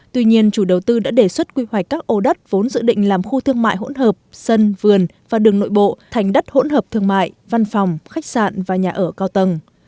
tuy nhiên chủ đầu tư đã đề xuất quy hoạch các ô đất vốn dự định làm khu thương mại hỗn hợp sân vườn và đường nội bộ thành đất hỗn hợp thương mại văn phòng khách sạn và nhà ở cao tầng